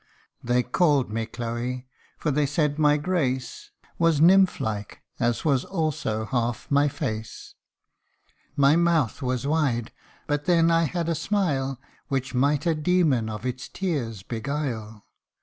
They called me Chloe, for they said my grace Was nymph like, as was also half my face. My mouth was wide, but then I had a smile Which might a demon of its tears beguile.